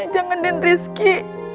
jangan den rizky